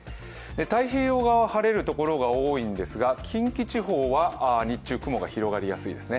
太平洋側は晴れる所が多いんですが近畿地方は日中、雲が広がりやすいですね。